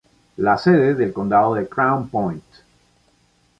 La sede del condado es Crown Point.